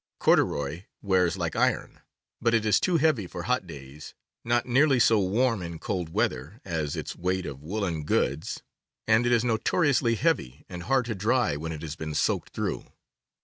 Corduroy wears like iron, but it is too heavy for hot days, not nearly so warm in cold weather as its weight of woolen goods, and it is notoriously heavy and hard to dry when it has been soaked through.